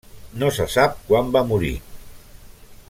No se sap quan va morir.